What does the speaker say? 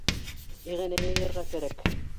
Иғәнә йыйырға кәрәк.